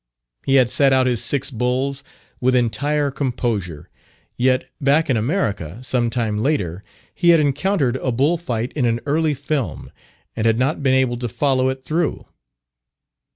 He had sat out his six bulls with entire composure; yet, back in America, some time later, he had encountered a bullfight in an early film and had not been able to follow it through.